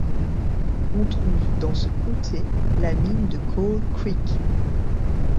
On trouve dans ce comté la mine de Coal Creek.